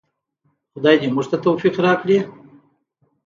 خدای دې موږ ته توفیق راکړي؟